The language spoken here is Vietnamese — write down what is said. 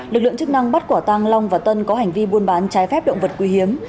lực lượng chức năng bắt quả tăng long và tân có hành vi buôn bán trái phép động vật quý hiếm